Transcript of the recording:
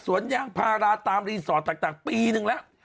สวนย่างพาราตามรีสอร์ตต่างปีนึงแล้ว